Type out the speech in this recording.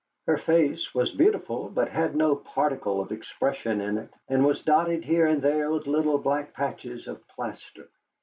Her face was beautiful, but had no particle of expression in it, and was dotted here and there with little black patches of plaster.